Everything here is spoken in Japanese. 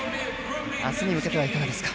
あすに向けては、いかがですか？